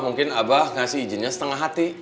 mungkin abah ngasih izinnya setengah hati